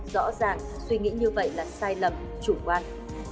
rõ ràng suy nghĩ như vậy là sai lầm chủ quan